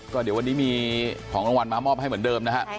ก็เดี๋ยววันนี้มีของรางวัลมามอบให้เหมือนเดิมนะฮะ